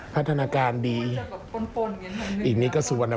พัฒนาการดีอีกนี่ก็สุวรรณ